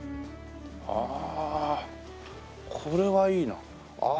ああこれはいいな。